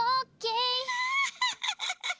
ハハハハハ！